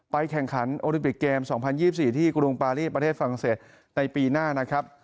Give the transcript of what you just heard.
แข่งขันโอลิมปิกเกม๒๐๒๔ที่กรุงปารีประเทศฝรั่งเศสในปีหน้านะครับ